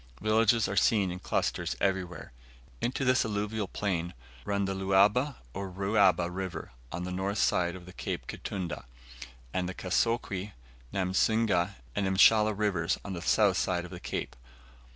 Villages are seen in clusters everywhere. Into this alluvial plain run the Luaba, or Ruaba River, on the north side of Cape Kitunda, and the Kasokwe, Namusinga, and Mshala Rivers, on the south side of the cape.